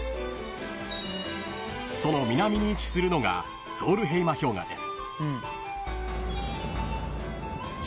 ［その南に位置するのがソウルヘイマ氷河です］